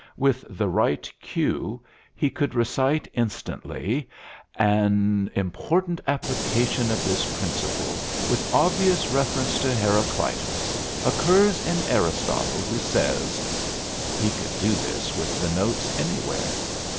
With the right cue he could recite instantly: "An important application of this principle, with obvious reference to Heracleitos, occurs in Aristotle, who says " He could do this with the notes anywhere.